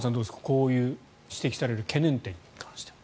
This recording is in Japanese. こういう指摘される懸念点に関しては。